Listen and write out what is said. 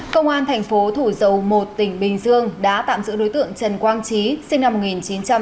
công an thành phố thủ dầu một tỉnh bình dương đã tạm giữ đối tượng trần quang trí sinh năm một nghìn chín trăm tám mươi